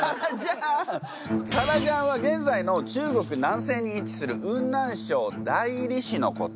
カラジャンは現在の中国南西に位置する雲南省大理市のこと。